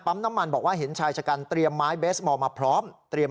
น้ำมันบอกว่าเห็นชายชะกันเตรียมไม้เบสมอลมาพร้อมเตรียม